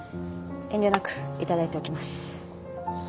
遠慮なく頂いておきます。